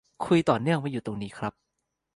คุยต่อเนื่องไว้อยู่ตรงนี้ครับ